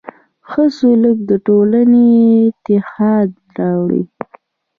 ښه سلوک د ټولنې اتحاد راوړي.